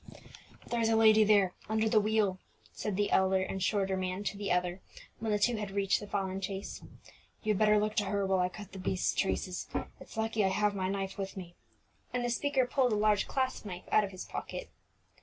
"There's a lady there, under the wheel," said the shorter and elder man to the other, when the two had reached the fallen chaise. "You'd better look to her while I cut the beast's traces; it's lucky I have my knife with me," and the speaker pulled a large clasp knife out of his pocket.